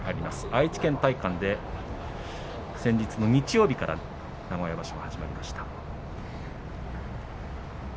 愛知県体育館で先日の日曜日から名古屋場所が始まりました。